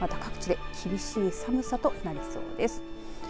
また各地で厳しい寒さとなりそうです。